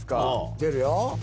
出るよ。